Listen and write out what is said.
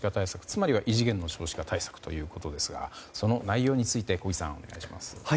つまりは異次元の少子化対策ということですがその内容について小木さん、お願いします。